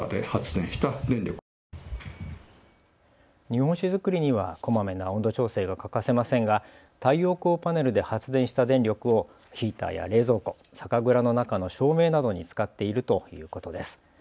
日本酒造りにはこまめな温度調整が欠かせませんが太陽光パネルで発電した電力をヒーターや冷蔵庫、酒蔵の中の照明などに使っているということです。